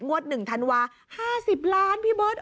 งวดหนึ่งธันวาห์๕๐ล้านพี่บ๊อต